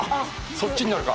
そっちになるか。